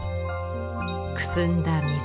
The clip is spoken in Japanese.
くすんだ水。